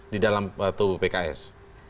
di dalam tubuh pks